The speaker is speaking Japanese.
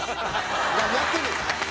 何やってんねん！